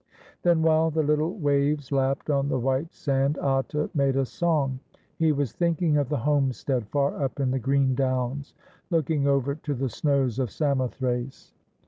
Then, while the Httle waves lapped on the white sand, Atta made a song. He was thinking of the homestead far up in the green downs, looking over to the snows of Samothrace.